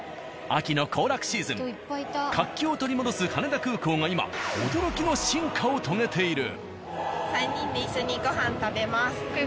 秋の行楽シーズン活気を取り戻す羽田空港が今驚きの進化を遂げている。